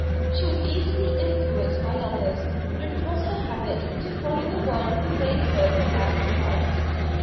She was easily influenced by others, and it was her habit to follow the one who gave her the last advice.